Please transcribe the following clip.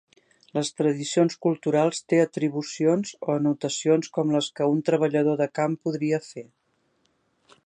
Les tradicions culturals té atribucions o anotacions com les què un treballador de camp podria fer.